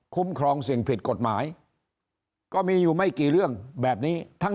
ครองสิ่งผิดกฎหมายก็มีอยู่ไม่กี่เรื่องแบบนี้ทั้ง